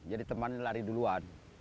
jadi temannya lari duluan